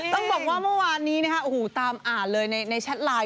ต้องบอกว่าเมื่อวานนี้นะคะโอ้โหตามอ่านเลยในแชทไลน์